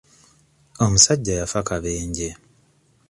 Omusajja yaffa kabenje.